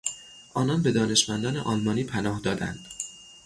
آنان به دانشمندان آلمانی پناه دادند.